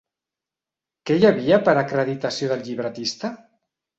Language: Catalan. Què hi havia per acreditació del llibretista?